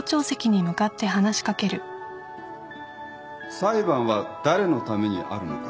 裁判は誰のためにあるのか。